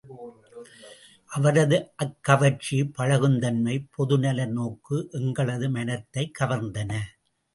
அவரது அக்கவர்ச்சி, பழகுந்தன்மை, பொதுநலநோக்கு எங்களது மனதைக் கவர்ந்தன.